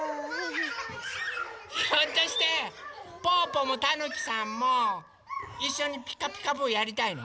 ひょっとしてぽぅぽもたぬきさんもいっしょに「ピカピカブ！」やりたいの？